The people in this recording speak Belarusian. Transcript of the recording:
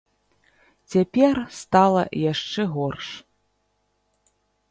Цяпер стала яшчэ горш.